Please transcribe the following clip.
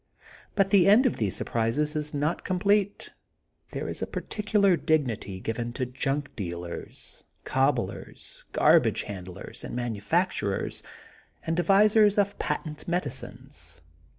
But the end of these surprises is not com plete. There is a particular dignity given to junk dealers, cobblers, garbage handlers, and manufacturers, and devisers of patent medi cines.